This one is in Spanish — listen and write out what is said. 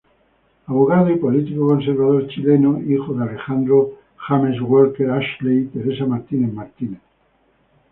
Abogado y político conservador chileno. Hijo de Alejandro James Walker Ashley y Teresa Martínez Martínez.